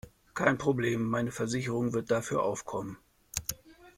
Kein Problem, meine Versicherung wird dafür aufkommen.